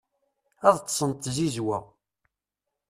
ad ṭṭsen d tzizwa